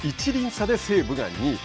１厘差で西武が２位。